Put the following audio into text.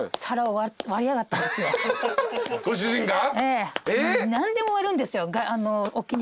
ええ何でも割るんですよ。